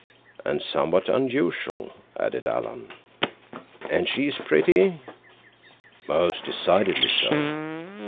"And somewhat unusual," added Alan. "And she is pretty." "Most decidedly so."